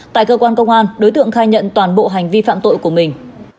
tại cơ quan công an đối tượng khai nhận toàn bộ hành vi phạm tội của mình